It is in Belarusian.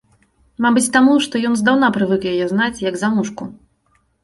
Мабыць таму, што ён здаўна прывык яе знаць, як замужку.